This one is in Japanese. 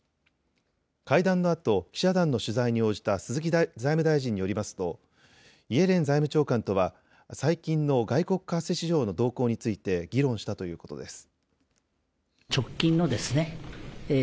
会談のあと記者団の取材に応じた鈴木財務大臣によりますとイエレン財務長官とは最近の外国為替市場の動向について議論したということです。